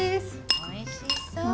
おいしそう！